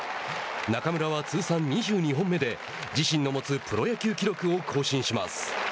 中村は通算２２本目で自身の持つプロ野球記録を更新します。